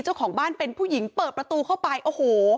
เจ้าของบ้านเป็นผู้หญิงเปิดประตูเข้าไปโอ้โห